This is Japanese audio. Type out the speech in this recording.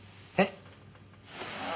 えっ？